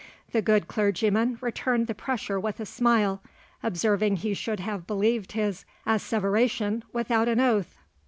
The good clergyman returned the pressure with a smile, observing he should have believed his asseveration without an oath.